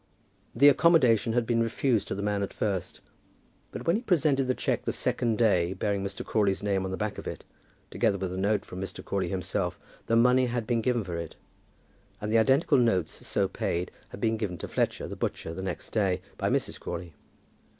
The accommodation had been refused to the man at first, but when he presented the cheque the second day, bearing Mr. Crawley's name on the back of it, together with a note from Mr. Crawley himself, the money had been given for it; and the identical notes so paid had been given to Fletcher, the butcher, on the next day by Mrs. Crawley.